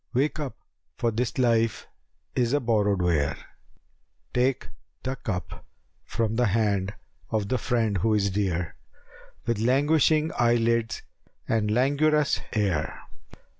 * Wake up for this life is a borrowed ware!' Take the cup from the hand of the friend who is dear * With languishing eye lids and languorous air.